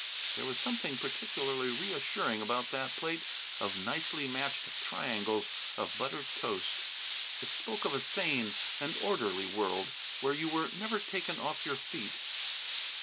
There was something particularly reassuring about that plate of nicely matched triangles of buttered toast. It spoke of a sane and orderly world where you were never taken off your feet.